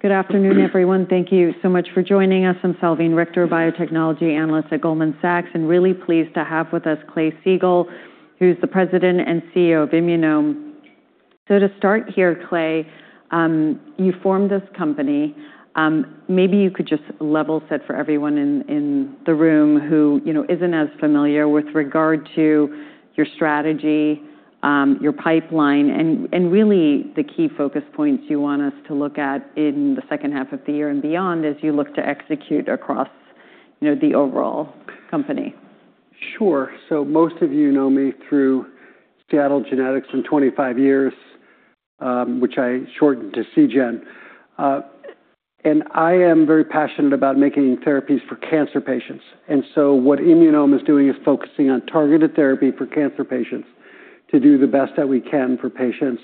Good afternoon, everyone. Thank you so much for joining us. I'm Salveen Richter, biotechnology analyst at Goldman Sachs, and really pleased to have with us Clay Siegall, who's the President and CEO of Immunome. To start here, Clay, you formed this company. Maybe you could just level set for everyone in the room who isn't as familiar with regard to your strategy, your pipeline, and really the key focus points you want us to look at in the second half of the year and beyond as you look to execute across the overall company. Sure. Most of you know me through Seattle Genetics in 25 years, which I shortened to Seagen. I am very passionate about making therapies for cancer patients. What Immunome is doing is focusing on targeted therapy for cancer patients to do the best that we can for patients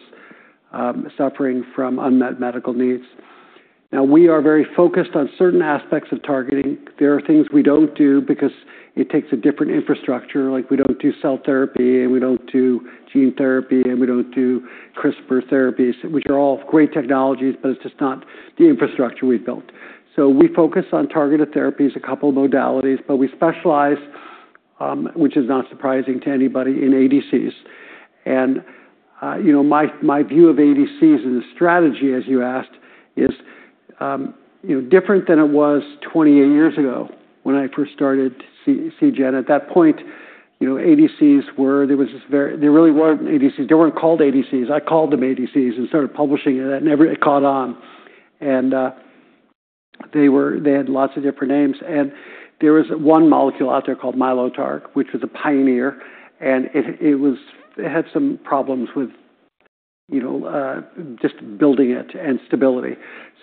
suffering from unmet medical needs. We are very focused on certain aspects of targeting. There are things we do not do because it takes a different infrastructure. We do not do cell therapy, and we do not do gene therapy, and we do not do CRISPR therapies, which are all great technologies, but it is just not the infrastructure we have built. We focus on targeted therapies, a couple of modalities, but we specialize, which is not surprising to anybody, in ADCs. My view of ADCs and the strategy, as you asked, is different than it was 28 years ago when I first started CGEN. At that point, ADCs were, there really were not ADCs. They were not called ADCs. I called them ADCs and started publishing it, and everybody caught on. They had lots of different names. There was one molecule out there called Mylotarg, which was a pioneer, and it had some problems with just building it and stability.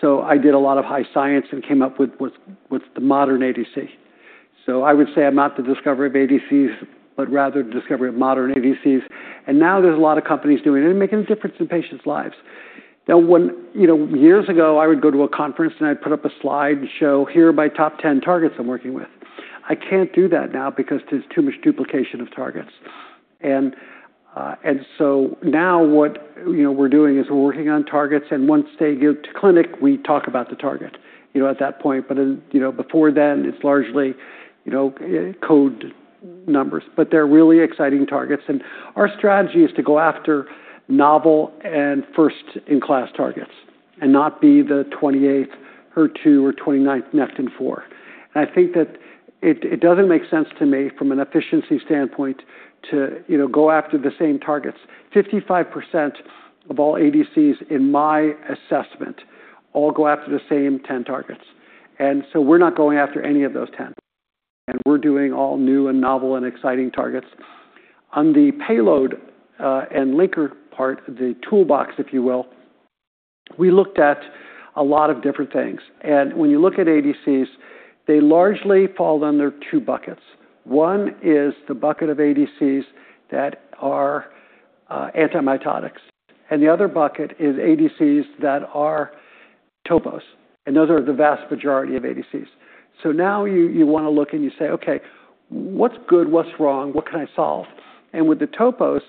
I did a lot of high science and came up with what is the modern ADC. I would say I am not the discoverer of ADCs, but rather the discoverer of modern ADCs. Now there are a lot of companies doing it and making a difference in patients' lives. Now, years ago, I would go to a conference and I'd put up a slide and show, "Here are my top 10 targets I'm working with." I can't do that now because there's too much duplication of targets. Now what we're doing is we're working on targets, and once they get to clinic, we talk about the target at that point. Before then, it's largely code numbers. They're really exciting targets. Our strategy is to go after novel and first-in-class targets and not be the 28th HER2 or 29th NEXT in four. I think that it doesn't make sense to me from an efficiency standpoint to go after the same targets. 55% of all ADCs, in my assessment, all go after the same 10 targets. We're not going after any of those 10. We are doing all new and novel and exciting targets. On the payload and linker part, the toolbox, if you will, we looked at a lot of different things. When you look at ADCs, they largely fall under two buckets. One is the bucket of ADCs that are antibiotics, and the other bucket is ADCs that are topos. Those are the vast majority of ADCs. Now you want to look and you say, "Okay, what's good? What's wrong? What can I solve?" With the topos,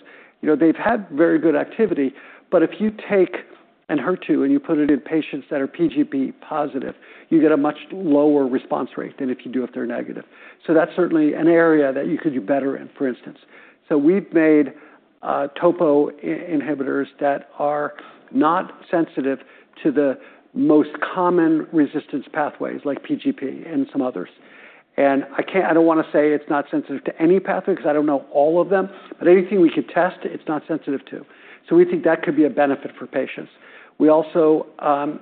they've had very good activity. If you take a HER2 and you put it in patients that are P-glycoprotein positive, you get a much lower response rate than if you do if they are negative. That is certainly an area that you could do better in, for instance. We've made topo inhibitors that are not sensitive to the most common resistance pathways, like P-glycoprotein and some others. I don't want to say it's not sensitive to any pathway because I don't know all of them, but anything we could test, it's not sensitive to. We think that could be a benefit for patients. We also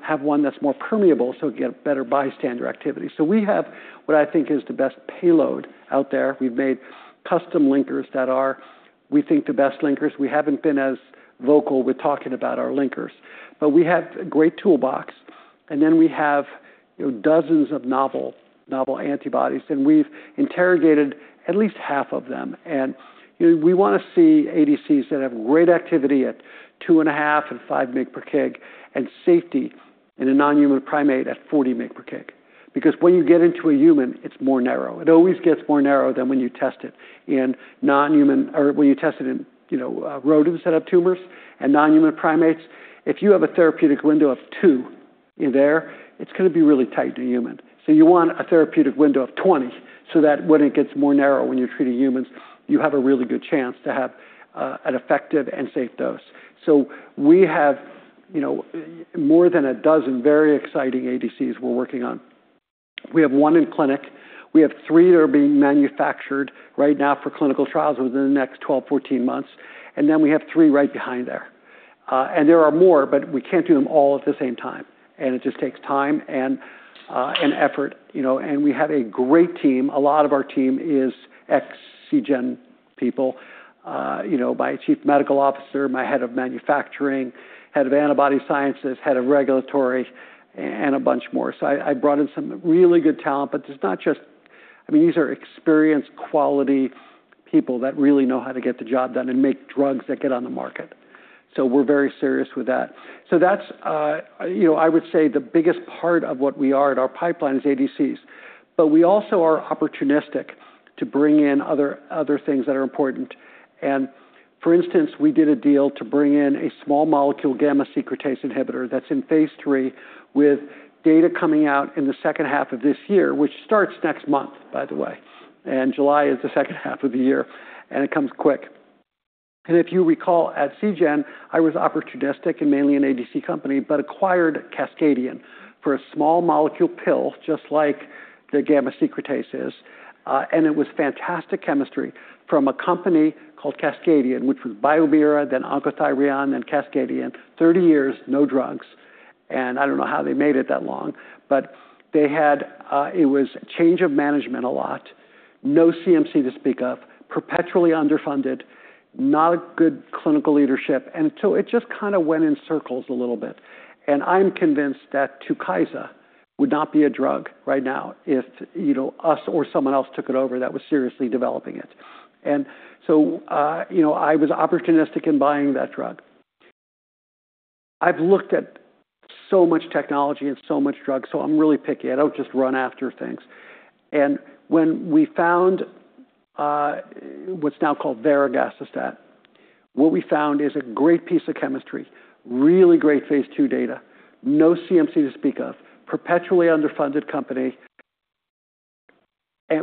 have one that's more permeable, so it can get better bystander activity. We have what I think is the best payload out there. We've made custom linkers that are, we think, the best linkers. We haven't been as vocal with talking about our linkers. We have a great toolbox, and then we have dozens of novel antibodies, and we've interrogated at least half of them. We want to see ADCs that have great activity at 2.5 and 5 mg/kg and safety in a non-human primate at 40 mg/kg because when you get into a human, it's more narrow. It always gets more narrow than when you test it in non-human or when you test it in rodent setup tumors and non-human primates. If you have a therapeutic window of 2 in there, it's going to be really tight in a human. You want a therapeutic window of 20 so that when it gets more narrow, when you're treating humans, you have a really good chance to have an effective and safe dose. We have more than a dozen very exciting ADCs we're working on. We have one in clinic. We have three that are being manufactured right now for clinical trials within the next 12-14 months. We have three right behind there. There are more, but we can't do them all at the same time. It just takes time and effort. We have a great team. A lot of our team is ex-CGEN people, my Chief Medical Officer, my head of manufacturing, head of antibody sciences, head of regulatory, and a bunch more. I brought in some really good talent, but it's not just—I mean, these are experienced, quality people that really know how to get the job done and make drugs that get on the market. We are very serious with that. I would say the biggest part of what we are at our pipeline is ADCs. We also are opportunistic to bring in other things that are important. For instance, we did a deal to bring in a small molecule gamma secretase inhibitor that is in phase three with data coming out in the second half of this year, which starts next month, by the way. July is the second half of the year, and it comes quick. If you recall, at CGEN, I was opportunistic and mainly an ADC company, but acquired Cascadian for a small molecule pill, just like the gamma secretase is. It was fantastic chemistry from a company called Cascadian, which was BioMira, then Oncothyreon, then Cascadian. Thirty years, no drugs. I do not know how they made it that long, but it was change of management a lot, no CMC to speak of, perpetually underfunded, not good clinical leadership. It just kind of went in circles a little bit. I'm convinced that Tukysa would not be a drug right now if us or someone else took it over that was seriously developing it. I was opportunistic in buying that drug. I've looked at so much technology and so much drug, so I'm really picky. I don't just run after things. When we found what's now called varegacestat, what we found is a great piece of chemistry, really great phase two data, no CMC to speak of, perpetually underfunded company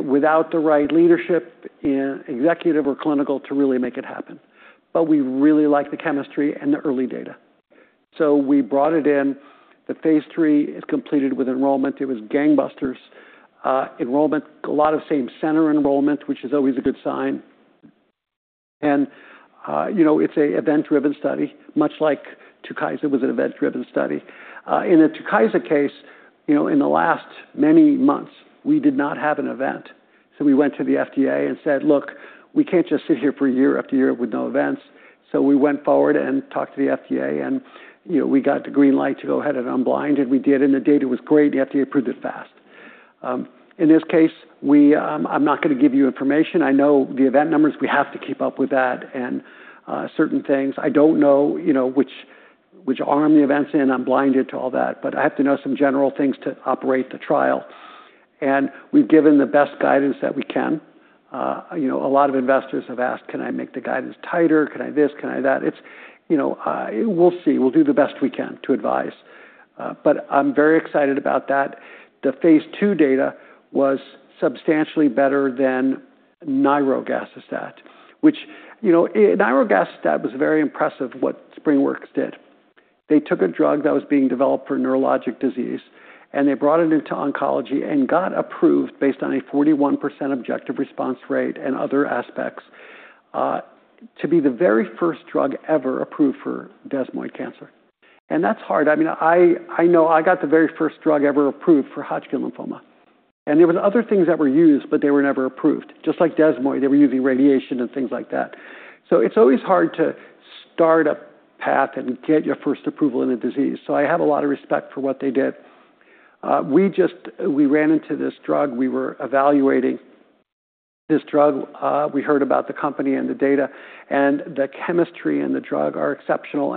without the right leadership, executive, or clinical to really make it happen. We really like the chemistry and the early data. We brought it in. The phase three is completed with enrollment. It was gangbusters. Enrollment, a lot of same-center enrollment, which is always a good sign. It's an event-driven study, much like Tukysa was an event-driven study. In the Tukysa case, in the last many months, we did not have an event. We went to the FDA and said, "Look, we can't just sit here year after year with no events." We went forward and talked to the FDA, and we got the green light to go ahead and unblind. We did, and the data was great. The FDA approved it fast. In this case, I'm not going to give you information. I know the event numbers. We have to keep up with that and certain things. I don't know which arm the event's in, unblinded to all that, but I have to know some general things to operate the trial. We've given the best guidance that we can. A lot of investors have asked, "Can I make the guidance tighter? Can I this? Can I that?" We'll see. We'll do the best we can to advise. I'm very excited about that. The phase two data was substantially better than nirogacestat, which nirogacestat was very impressive what SpringWorks did. They took a drug that was being developed for neurologic disease, and they brought it into oncology and got approved based on a 41% objective response rate and other aspects to be the very first drug ever approved for desmoid cancer. That's hard. I mean, I know I got the very first drug ever approved for Hodgkin lymphoma. There were other things that were used, but they were never approved. Just like desmoid, they were using radiation and things like that. It's always hard to start a path and get your first approval in a disease. I have a lot of respect for what they did. We ran into this drug. We were evaluating this drug. We heard about the company and the data, and the chemistry in the drug is exceptional.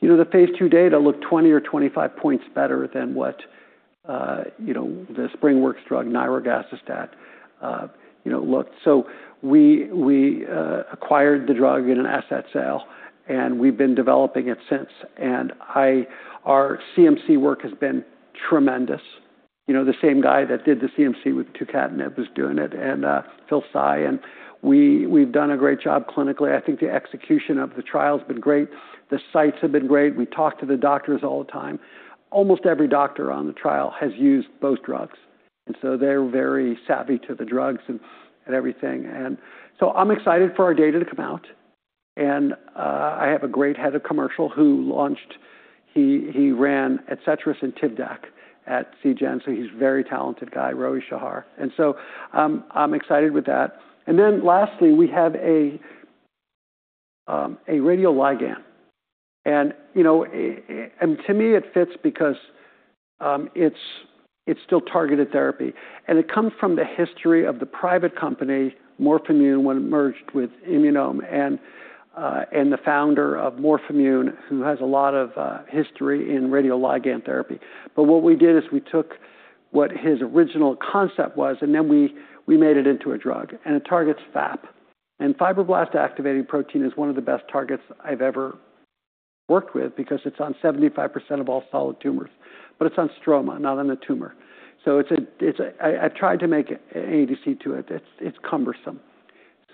The phase two data looked 20 or 25 percentage points better than what the SpringWorks drug, nirogacestat, looked. We acquired the drug in an asset sale, and we've been developing it since. Our CMC work has been tremendous. The same guy that did the CMC with Tukysa was doing it, and Phil Tsai. We've done a great job clinically. I think the execution of the trial has been great. The sites have been great. We talk to the doctors all the time. Almost every doctor on the trial has used both drugs. They're very savvy to the drugs and everything. I'm excited for our data to come out. I have a great Head of Commercial who launched—he ran Adcetris and Tukysa at Seagen. He is a very talented guy, Rohit Shah. I am excited with that. Lastly, we have a radioligand. To me, it fits because it is still targeted therapy. It comes from the history of the private company Morphimune when it merged with Immunome and the founder of Morphimune, who has a lot of history in radioligand therapy. What we did is we took what his original concept was, and then we made it into a drug. It targets FAP. Fibroblast activation protein is one of the best targets I have ever worked with because it is on 75% of all solid tumors. It is on stroma, not on a tumor. I have tried to make an ADC to it. It is cumbersome.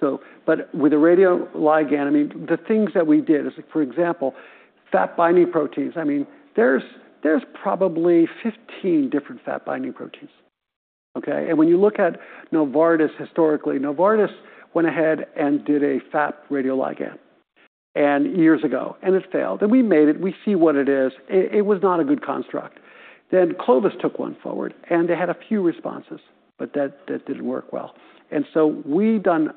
With a radioligand, I mean, the things that we did is, for example, FAP binding proteins. I mean, there's probably 15 different FAP binding proteins. Okay? When you look at Novartis historically, Novartis went ahead and did a FAP radioligand years ago, and it failed. We made it. We see what it is. It was not a good construct. Clovis took one forward, and they had a few responses, but that did not work well. We have done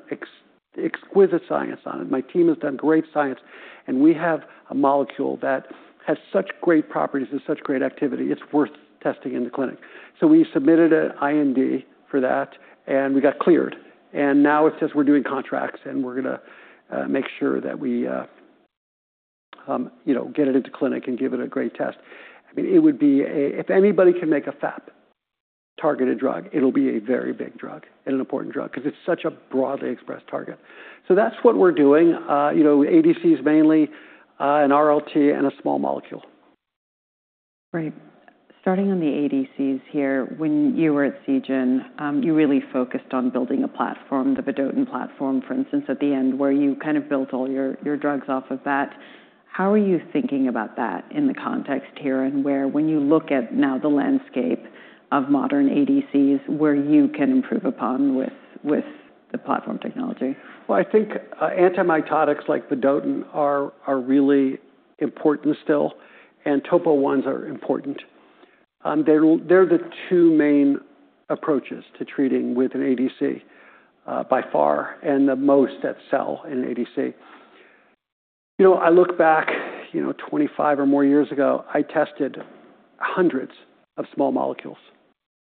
exquisite science on it. My team has done great science, and we have a molecule that has such great properties and such great activity. It is worth testing in the clinic. We submitted an IND for that, and we got cleared. Now it says we are doing contracts, and we are going to make sure that we get it into clinic and give it a great test. I mean, it would be a—if anybody can make a FAP-targeted drug, it'll be a very big drug and an important drug because it's such a broadly expressed target. That is what we're doing. ADCs mainly and RLT and a small molecule. Right. Starting on the ADCs here, when you were at Seagen, you really focused on building a platform, the vedotin platform, for instance, at the end, where you kind of built all your drugs off of that. How are you thinking about that in the context here and where, when you look at now the landscape of modern ADCs, where you can improve upon with the platform technology? I think antibiotics like vedotin are really important still, and topo ones are important. They're the two main approaches to treating with an ADC by far and the most that sell in an ADC. I look back 25 or more years ago, I tested hundreds of small molecules.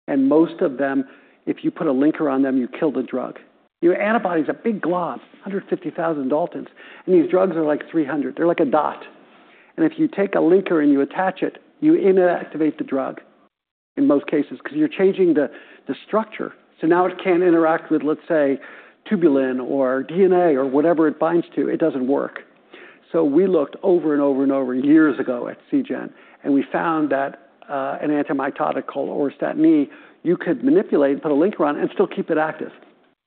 Most of them, if you put a linker on them, you kill the drug. Antibody is a big glob, 150,000 daltons. These drugs are like 300. They're like a dot. If you take a linker and you attach it, you inactivate the drug in most cases because you're changing the structure. Now it can't interact with, let's say, tubulin or DNA or whatever it binds to. It doesn't work. We looked over and over years ago at CGEN, and we found that an antibiotic called orostatin E, you could manipulate and put a linker on and still keep it active.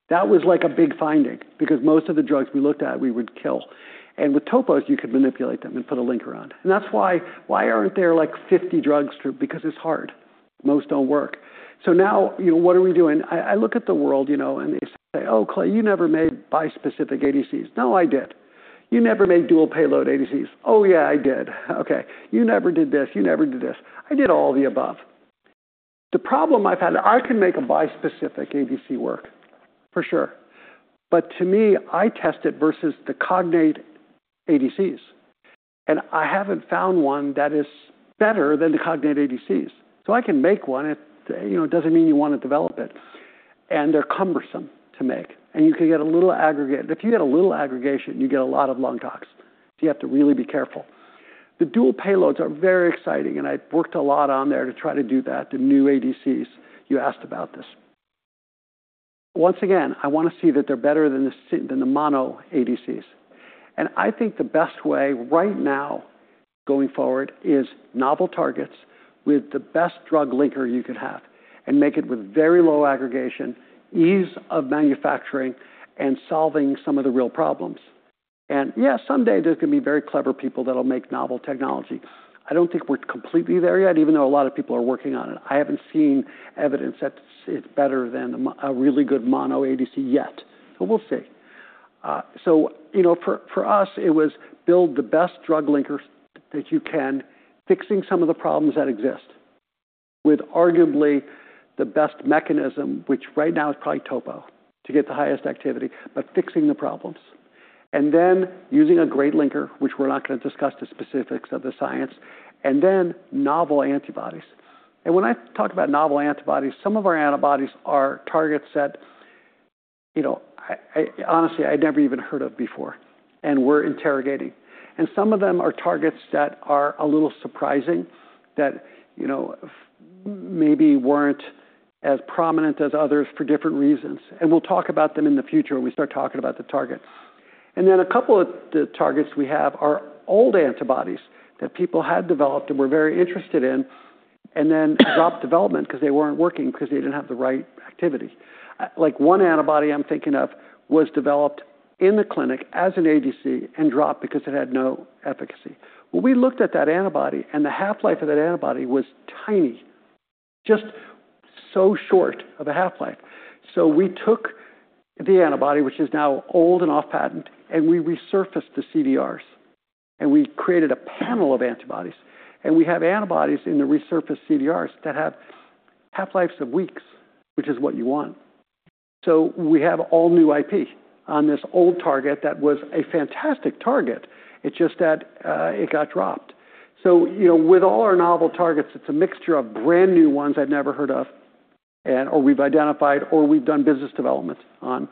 That was a big finding because most of the drugs we looked at, we would kill. With topos, you could manipulate them and put a linker on. That is why there are not 50 drugs because it is hard. Most do not work. Now what are we doing? I look at the world and they say, "Oh, Clay, you never made bispecific ADCs." No, I did. "You never made dual payload ADCs." "Oh, yeah, I did." "Okay. You never did this. You never did this." I did all the above. The problem I have had, I can make a bispecific ADC work, for sure. To me, I test it versus the cognate ADCs. I have not found one that is better than the Cognate ADCs. I can make one. It does not mean you want to develop it. They are cumbersome to make. You can get a little aggregate. If you get a little aggregation, you get a lot of lung tox. You have to really be careful. The dual payloads are very exciting, and I have worked a lot on there to try to do that, the new ADCs. You asked about this. Once again, I want to see that they are better than the mono ADCs. I think the best way right now going forward is novel targets with the best drug linker you could have and make it with very low aggregation, ease of manufacturing, and solving some of the real problems. Someday there are going to be very clever people that will make novel technology. I don't think we're completely there yet, even though a lot of people are working on it. I haven't seen evidence that it's better than a really good mono ADC yet. We'll see. For us, it was build the best drug linkers that you can, fixing some of the problems that exist with arguably the best mechanism, which right now is probably topo, to get the highest activity, but fixing the problems. Using a great linker, which we're not going to discuss the specifics of the science, and then novel antibodies. When I talk about novel antibodies, some of our antibodies are targets that, honestly, I had never even heard of before. We're interrogating. Some of them are targets that are a little surprising that maybe weren't as prominent as others for different reasons. We will talk about them in the future when we start talking about the targets. A couple of the targets we have are old antibodies that people had developed and were very interested in and then dropped development because they were not working because they did not have the right activity. Like one antibody I am thinking of was developed in the clinic as an ADC and dropped because it had no efficacy. We looked at that antibody, and the half-life of that antibody was tiny, just so short of a half-life. We took the antibody, which is now old and off-patent, and we resurfaced the CDRs. We created a panel of antibodies. We have antibodies in the resurfaced CDRs that have half-lives of weeks, which is what you want. We have all new IP on this old target that was a fantastic target. It's just that it got dropped. With all our novel targets, it's a mixture of brand new ones I've never heard of or we've identified or we've done business development on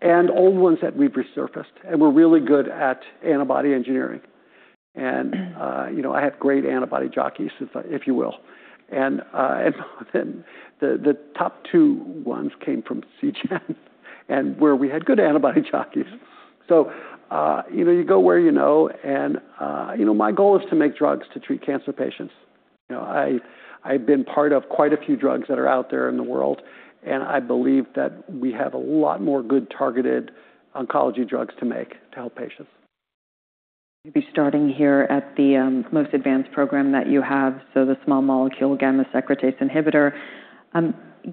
and old ones that we've resurfaced. We're really good at antibody engineering. I have great antibody jockeys, if you will. The top two ones came from Seagen, where we had good antibody jockeys. You go where you know. My goal is to make drugs to treat cancer patients. I've been part of quite a few drugs that are out there in the world, and I believe that we have a lot more good targeted oncology drugs to make to help patients. You'll be starting here at the most advanced program that you have, so the small molecule, again, the secretase inhibitor.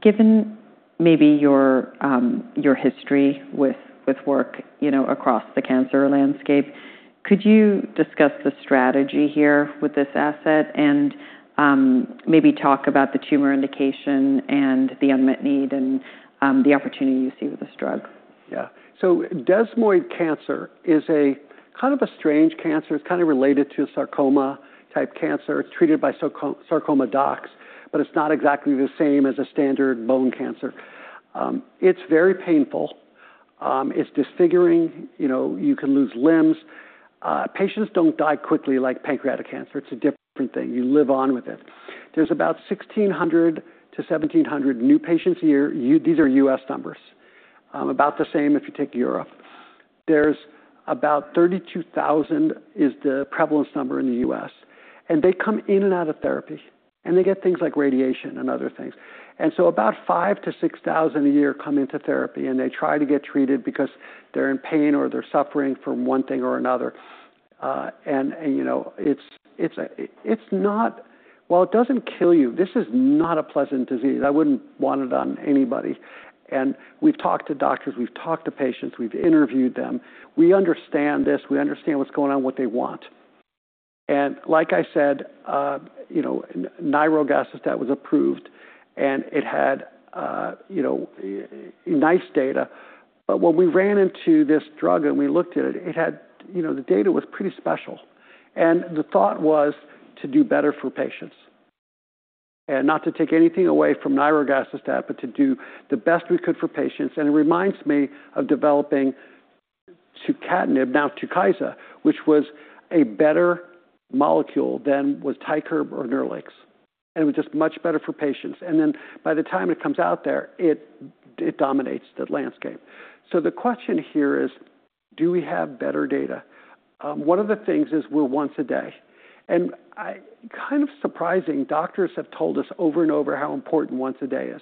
Given maybe your history with work across the cancer landscape, could you discuss the strategy here with this asset and maybe talk about the tumor indication and the unmet need and the opportunity you see with this drug? Yeah. Desmoid cancer is a kind of a strange cancer. It's kind of related to sarcoma-type cancer. It's treated by sarcoma docs, but it's not exactly the same as a standard bone cancer. It's very painful. It's disfiguring. You can lose limbs. Patients don't die quickly like pancreatic cancer. It's a different thing. You live on with it. There's about 1,600-1,700 new patients a year. These are US numbers, about the same if you take Europe. There's about 32,000 is the prevalence number in the US. They come in and out of therapy, and they get things like radiation and other things. About 5,000-6,000 a year come into therapy, and they try to get treated because they're in pain or they're suffering from one thing or another. It's not, well, it doesn't kill you. This is not a pleasant disease. I wouldn't want it on anybody. We've talked to doctors. We've talked to patients. We've interviewed them. We understand this. We understand what's going on, what they want. Like I said, nirogacestat was approved, and it had nice data. When we ran into this drug and we looked at it, the data was pretty special. The thought was to do better for patients and not to take anything away from nirogacestat, but to do the best we could for patients. It reminds me of developing Tukysa, which was a better molecule than was Tykerb or Nerlynx. It was just much better for patients. By the time it comes out there, it dominates the landscape. The question here is, do we have better data? One of the things is we're once a day. Kind of surprising, doctors have told us over and over how important once a day is.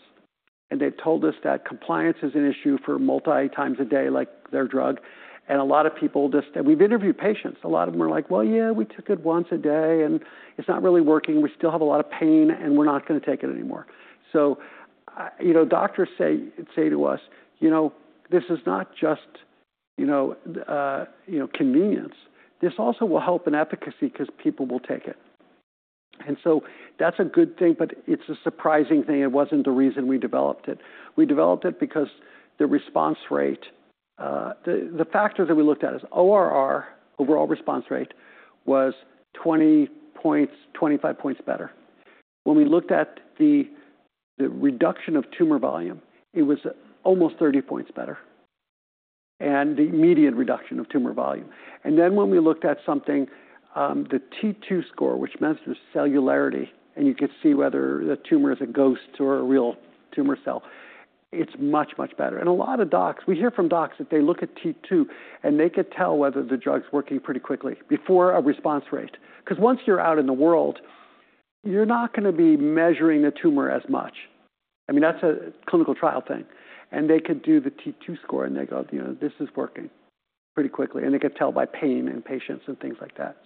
They have told us that compliance is an issue for multiple times a day, like their drug. A lot of people just, and we have interviewed patients. A lot of them are like, "Well, yeah, we took it once a day, and it is not really working. We still have a lot of pain, and we are not going to take it anymore." Doctors say to us, "This is not just convenience. This also will help in efficacy because people will take it." That is a good thing, but it is a surprising thing. It was not the reason we developed it. We developed it because the response rate, the factor that we looked at is ORR, overall response rate, was 20 points, 25 points better. When we looked at the reduction of tumor volume, it was almost 30 points better in the median reduction of tumor volume. When we looked at something, the T2 score, which measures cellularity, you could see whether the tumor is a ghost or a real tumor cell, it's much, much better. A lot of docs, we hear from docs that they look at T2, and they could tell whether the drug's working pretty quickly before a response rate. Once you're out in the world, you're not going to be measuring the tumor as much. I mean, that's a clinical trial thing. They could do the T2 score, and they go, "This is working pretty quickly." They could tell by pain and patients and things like that.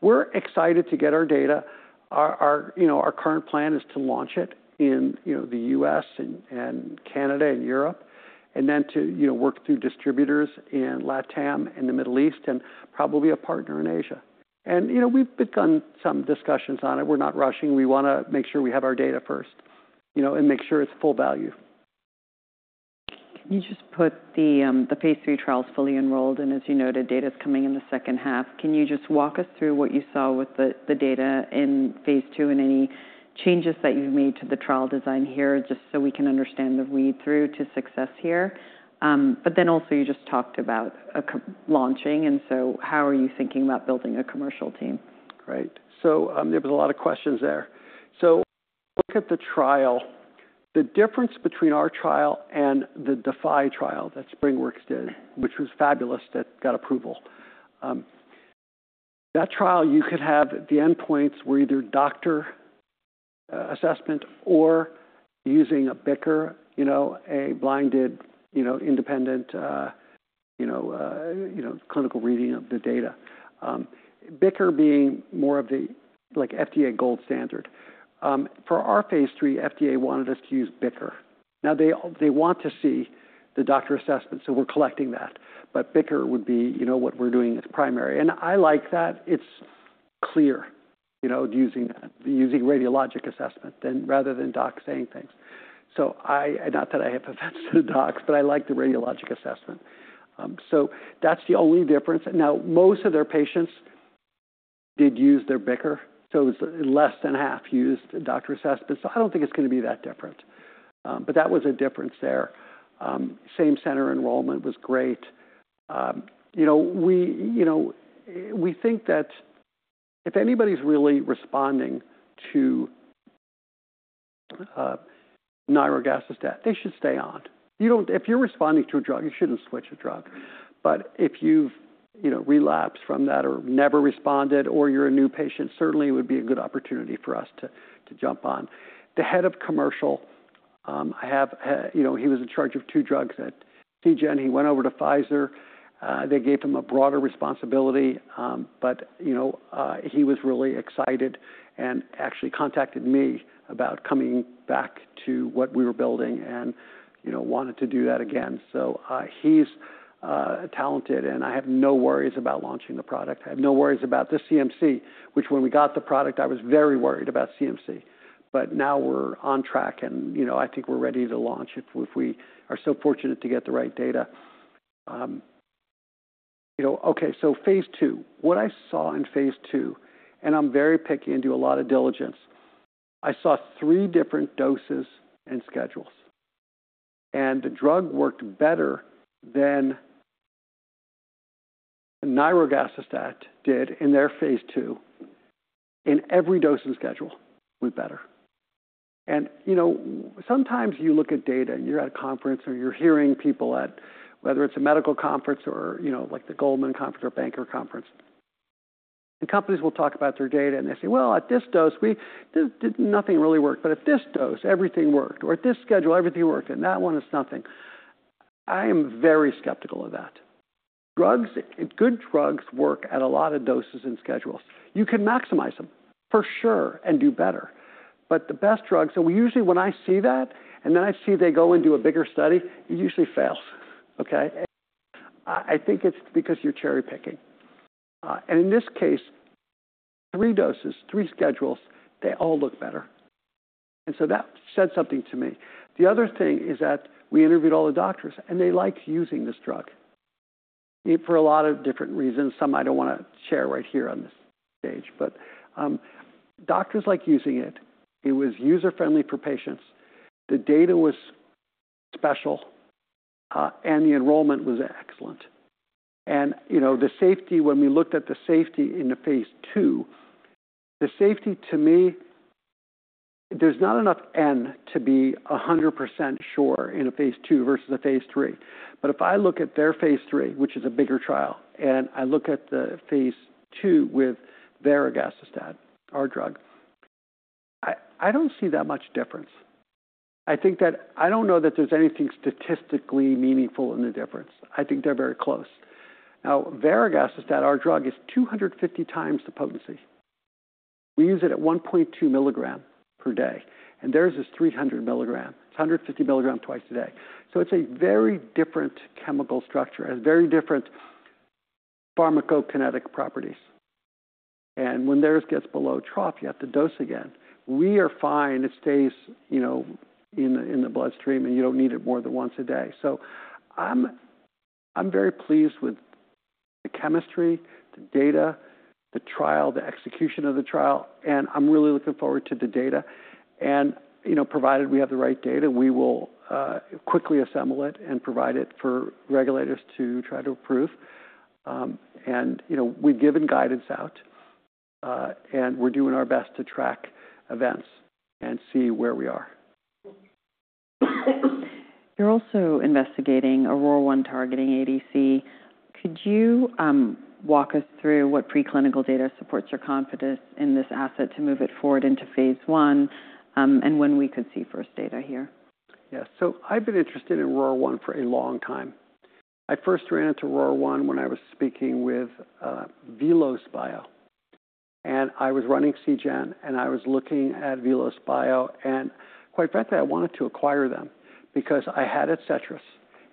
We're excited to get our data. Our current plan is to launch it in the US and Canada and Europe and then to work through distributors in LATAM in the Middle East and probably a partner in Asia. We have begun some discussions on it. We are not rushing. We want to make sure we have our data first and make sure it is full value. Can you just put the phase three trials fully enrolled? And as you noted, data is coming in the second half. Can you just walk us through what you saw with the data in phase two and any changes that you've made to the trial design here just so we can understand the read-through to success here? Also, you just talked about launching. How are you thinking about building a commercial team? Right. So there was a lot of questions there. Look at the trial. The difference between our trial and the DeFi trial that SpringWorks did, which was fabulous, that got approval. That trial, you could have the endpoints were either doctor assessment or using a BICR, a blinded independent central review of the data. BICR being more of the FDA gold standard. For our phase three, FDA wanted us to use BICR. Now, they want to see the doctor assessment, so we're collecting that. BICR would be what we're doing as primary. I like that. It's clear using radiologic assessment rather than docs saying things. Not that I have offense to the docs, but I like the radiologic assessment. That's the only difference. Most of their patients did use their BICR, so it was less than half used doctor assessment. I do not think it is going to be that different. That was a difference there. Same center enrollment was great. We think that if anybody is really responding to nirogacestat, they should stay on. If you are responding to a drug, you should not switch a drug. If you have relapsed from that or never responded or you are a new patient, certainly it would be a good opportunity for us to jump on. The Head of Commercial, he was in charge of two drugs at Seagen. He went over to Pfizer. They gave him a broader responsibility. He was really excited and actually contacted me about coming back to what we were building and wanted to do that again. He is talented, and I have no worries about launching the product. I have no worries about the CMC, which when we got the product, I was very worried about CMC. Now we're on track, and I think we're ready to launch if we are so fortunate to get the right data. Okay, phase two. What I saw in phase two, and I'm very picky and do a lot of diligence, I saw three different doses and schedules. The drug worked better than nirogacestat did in their phase two in every dose and schedule with better. Sometimes you look at data and you're at a conference or you're hearing people at whether it's a medical conference or like the Goldman conference or banker conference. Companies will talk about their data and they say, "Well, at this dose, nothing really worked. But at this dose, everything worked. Or at this schedule, everything worked. And that one is nothing." I am very skeptical of that. Good drugs work at a lot of doses and schedules. You can maximize them for sure and do better. The best drug, so usually when I see that and then I see they go and do a bigger study, it usually fails. Okay? I think it's because you're cherry-picking. In this case, three doses, three schedules, they all look better. That said something to me. The other thing is that we interviewed all the doctors, and they liked using this drug for a lot of different reasons. Some I don't want to share right here on this stage. Doctors liked using it. It was user-friendly for patients. The data was special, and the enrollment was excellent. The safety, when we looked at the safety in the phase two, the safety to me, there's not enough N to be 100% sure in a phase two versus a phase three. If I look at their phase three, which is a bigger trial, and I look at the phase two with varegacestat, our drug, I don't see that much difference. I don't know that there's anything statistically meaningful in the difference. I think they're very close. Now, varegacestat, our drug, is 250 times the potency. We use it at 1.2 mg per day. And theirs is 300 mg. It's 150 mg twice a day. It is a very different chemical structure. It has very different pharmacokinetic properties. When theirs gets below trough, you have to dose again. We are fine. It stays in the bloodstream, and you don't need it more than once a day. I am very pleased with the chemistry, the data, the trial, the execution of the trial. I am really looking forward to the data. Provided we have the right data, we will quickly assemble it and provide it for regulators to try to approve. We have given guidance out, and we are doing our best to track events and see where we are. You're also investigating Aurora One targeting ADC. Could you walk us through what preclinical data supports your confidence in this asset to move it forward into phase one and when we could see first data here? Yeah. So I've been interested in Aurora One for a long time. I first ran into Aurora One when I was speaking with Velos Bio. And I was running Seagen, and I was looking at Velos Bio. And quite frankly, I wanted to acquire them because I had Adcetris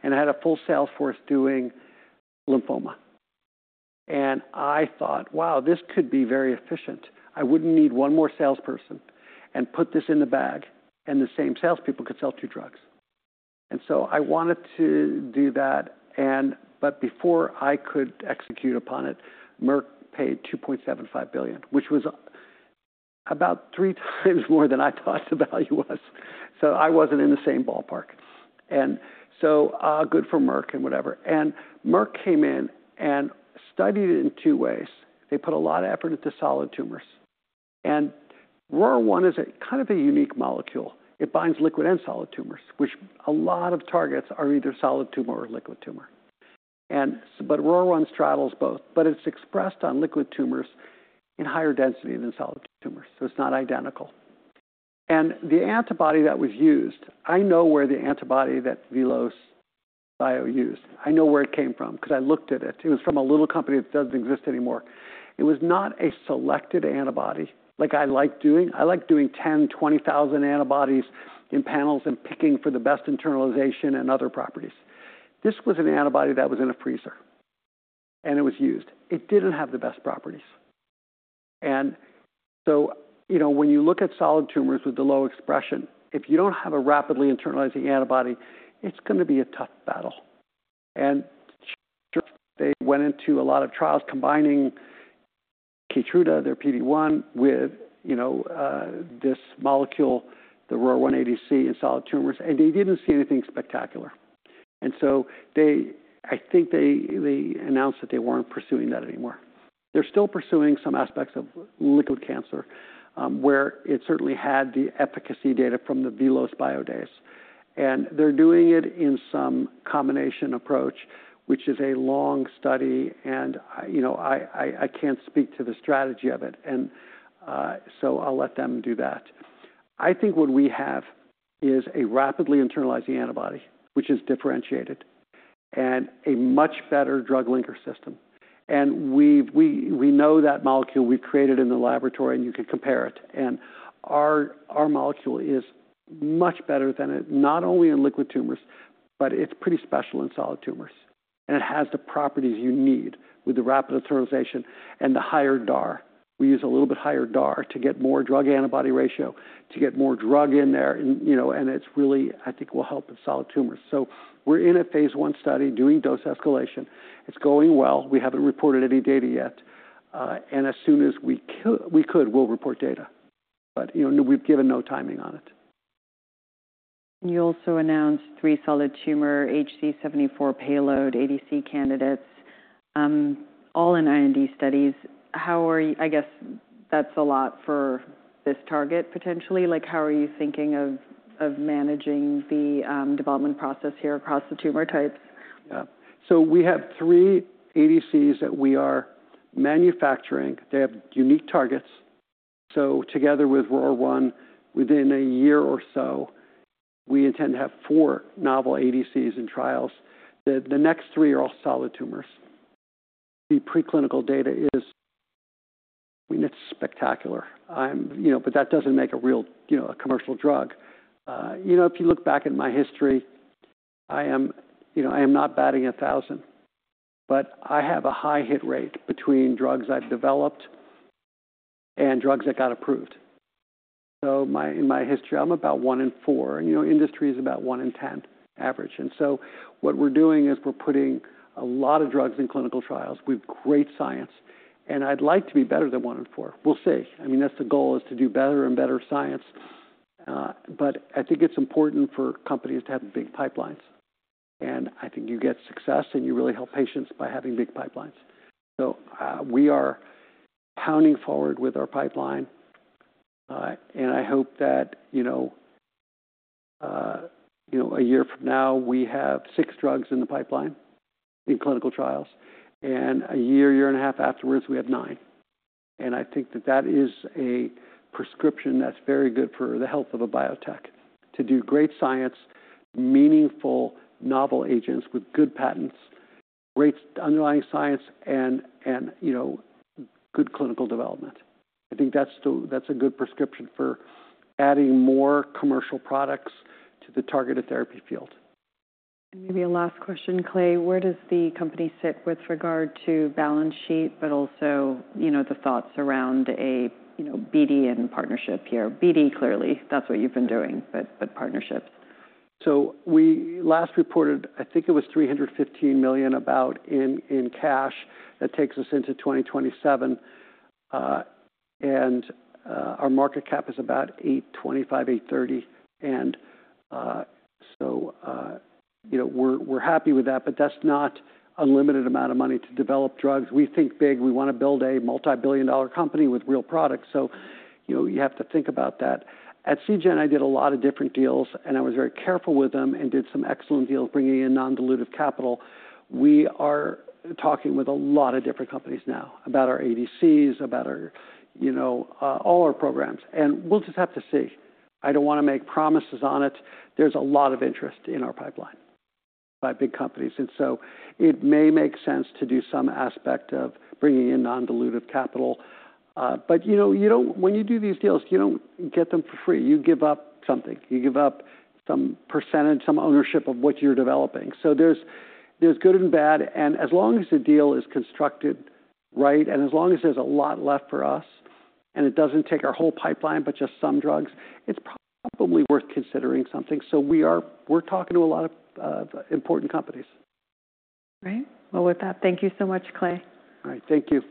and had a full sales force doing lymphoma. And I thought, "Wow, this could be very efficient. I wouldn't need one more salesperson and put this in the bag, and the same salespeople could sell two drugs." And so I wanted to do that. But before I could execute upon it, Merck paid $2.75 billion, which was about three times more than I thought the value was. So I wasn't in the same ballpark. And so good for Merck and whatever. And Merck came in and studied it in two ways. They put a lot of effort into solid tumors. Aurora One is kind of a unique molecule. It binds liquid and solid tumors, which a lot of targets are either solid tumor or liquid tumor. Aurora One straddles both. It is expressed on liquid tumors in higher density than solid tumors. It is not identical. The antibody that was used, I know where the antibody that Velos Bio used came from because I looked at it. It was from a little company that does not exist anymore. It was not a selected antibody like I like doing. I like doing 10,000-20,000 antibodies in panels and picking for the best internalization and other properties. This was an antibody that was in a freezer, and it was used. It did not have the best properties. When you look at solid tumors with the low expression, if you do not have a rapidly internalizing antibody, it is going to be a tough battle. They went into a lot of trials combining Keytruda, their PD-1, with this molecule, the Aurora One ADC in solid tumors. They did not see anything spectacular. I think they announced that they were not pursuing that anymore. They are still pursuing some aspects of liquid cancer where it certainly had the efficacy data from the Velos Bio DA SE. They are doing it in some combination approach, which is a long study. I cannot speak to the strategy of it. I will let them do that. I think what we have is a rapidly internalizing antibody, which is differentiated, and a much better drug linker system. We know that molecule we created in the laboratory, and you can compare it. Our molecule is much better than it, not only in liquid tumors, but it's pretty special in solid tumors. It has the properties you need with the rapid internalization and the higher DAR. We use a little bit higher DAR to get more drug-antibody ratio, to get more drug in there. It really, I think, will help with solid tumors. We are in a phase one study doing dose escalation. It's going well. We haven't reported any data yet. As soon as we could, we'll report data. We have given no timing on it. You also announced three solid tumor HC74 payload ADC candidates, all in IND studies. I guess that's a lot for this target, potentially. How are you thinking of managing the development process here across the tumor types? Yeah. We have three ADCs that we are manufacturing. They have unique targets. Together with Aurora One, within a year or so, we intend to have four novel ADCs in trials. The next three are all solid tumors. The preclinical data is spectacular. That does not make a real commercial drug. If you look back at my history, I am not batting a thousand. I have a high hit rate between drugs I have developed and drugs that got approved. In my history, I am about one in four. Industry is about one in 10 average. What we are doing is we are putting a lot of drugs in clinical trials. We have great science. I would like to be better than one in four. We will see. I mean, that is the goal, to do better and better science. I think it's important for companies to have big pipelines. I think you get success, and you really help patients by having big pipelines. We are pounding forward with our pipeline. I hope that a year from now, we have six drugs in the pipeline in clinical trials. A year, year and a half afterwards, we have nine. I think that that is a prescription that's very good for the health of a biotech to do great science, meaningful novel agents with good patents, great underlying science, and good clinical development. I think that's a good prescription for adding more commercial products to the targeted therapy field. Maybe a last question, Clay. Where does the company sit with regard to balance sheet, but also the thoughts around a BD and partnership here? BD, clearly, that's what you've been doing, but partnerships. We last reported, I think it was $315 million about in cash. That takes us into 2027. Our market cap is about $825 million, $830 million. We are happy with that. That is not an unlimited amount of money to develop drugs. We think big. We want to build a multi-billion dollar company with real products. You have to think about that. At Seagen, I did a lot of different deals, and I was very careful with them and did some excellent deals bringing in non-dilutive capital. We are talking with a lot of different companies now about our ADCs, about all our programs. We will just have to see. I do not want to make promises on it. There is a lot of interest in our pipeline by big companies. It may make sense to do some aspect of bringing in non-dilutive capital. When you do these deals, you don't get them for free. You give up something. You give up some percent, some ownership of what you're developing. There's good and bad. As long as the deal is constructed right and as long as there's a lot left for us and it doesn't take our whole pipeline but just some drugs, it's probably worth considering something. We're talking to a lot of important companies. Great. With that, thank you so much, Clay. All right. Thank you.